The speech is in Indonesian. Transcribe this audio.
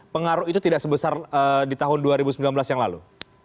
pengaruh itu tidak sebesar di tahun dua ribu sembilan belas yang lalu